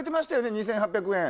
２８００円。